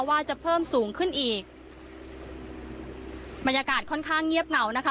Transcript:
ว่าจะเพิ่มสูงขึ้นอีกบรรยากาศค่อนข้างเงียบเหงานะคะ